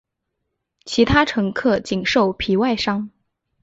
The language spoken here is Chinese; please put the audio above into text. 其他乘客仅受皮外伤。